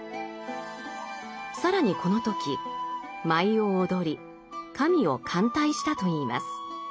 更にこの時舞を踊り神を歓待したといいます。